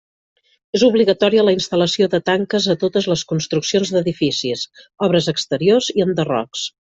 És obligatòria la instal·lació de tanques a totes les construccions d'edificis, obres exteriors i enderrocs.